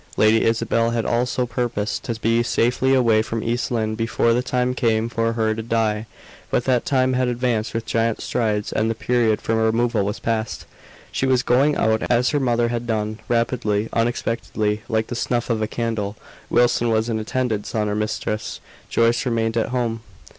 Lady Isabel had also purposed to be safely away from East Lynne before the time came for her to die; but that time had advanced with giant strides, and the period for removal was past. She was going out as her mother had done, rapidly unexpectedly, "like the snuff of a candle." Wilson was in attendance on her mistress; Joyce remained at home.